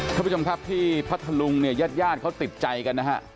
ทุกคนครับที่พระทะลุงเนี่ยยาดเขาติดใจกันนะฮะ